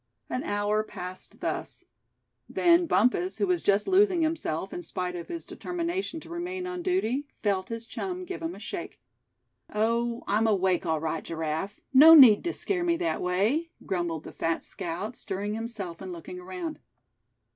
An hour passed thus. Then Bumpus, who was just losing himself, in spite of his determination to remain on duty, felt his chum give him a shake. "Oh! I'm awake, all right, Giraffe; no need to scare me that way!" grumbled the fat scout, stirring himself, and looking around.